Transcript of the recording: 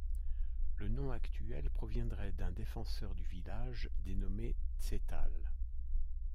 Le nom actuel proviendrait d’un défenseur du village dénommé Zetal.